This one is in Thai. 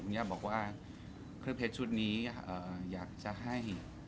ย่าบอกว่าเครื่องเพชรชุดนี้อยากจะให้